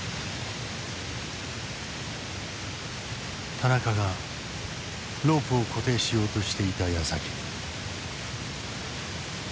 田中がロープを固定しようとしていたやさき。